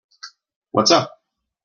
What's up?